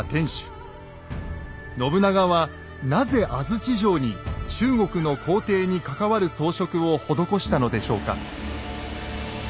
信長はなぜ安土城に中国の皇帝に関わる装飾を施したのでしょうか。